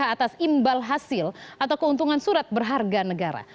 atas imbal hasil atau keuntungan surat berharga negara